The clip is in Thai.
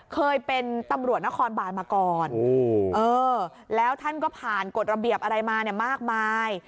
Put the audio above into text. เคยเป็นตำรวจนครบานมาก่อนแล้วท่านก็ผ่านกฎระเบียบอะไรมาเนี่ยมากมาย